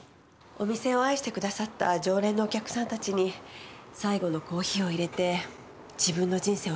お店を愛してくださった常連のお客さんたちに最後のコーヒーをいれて自分の人生を締めくくりたい。